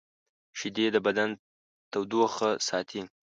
شیدې د بدن تودوخه ساتي